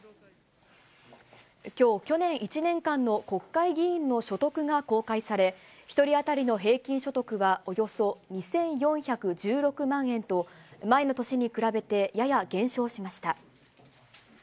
きょう、去年１年間の国会議員の所得が公開され、１人当たりの平均所得はおよそ２４１６万円と、前の年に比べてやや減少しました。